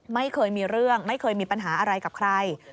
ไม่เคยมีเรื่องไม่เคยมีปัญหาอะไรกับใคร